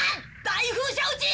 「大風車打ち」。